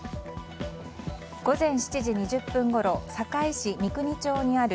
午前７時２０分ごろ坂井市三国町にある